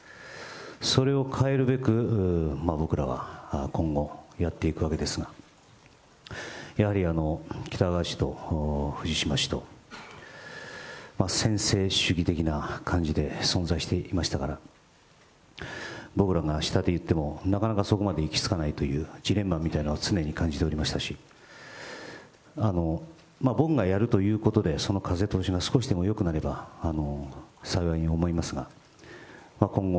それを変えるべく、僕らは今後、やっていくわけですが、やはり喜多川氏と藤島氏と、専制主義的な感じで存在していましたから、僕らが下で言っても、なかなかそこまで行き着かないというジレンマみたいなのは常に感じておりましたし、僕がやるということで、その風通しが少しでもよくなれば幸いに思いますが、今後、